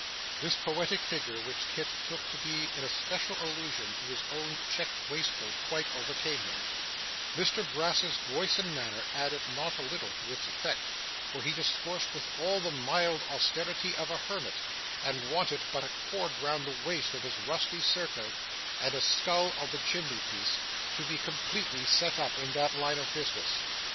This poetic figure, which Kit took to be in a special allusion to his own checked waistcoat, quite overcame him; Mr Brass's voice and manner added not a little to its effect, for he discoursed with all the mild austerity of a hermit, and wanted but a cord round the waist of his rusty surtout, and a skull on the chimney piece, to be completely set up in that line of business.